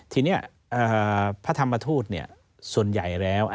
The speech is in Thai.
ทีนี้พระธรรมทูตส่วนใหญ่แล้ว